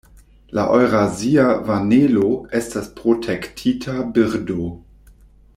La Eŭrazia vanelo estas protektita birdo.